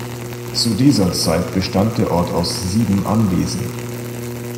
Zu dieser Zeit bestand der Ort aus sieben Anwesen.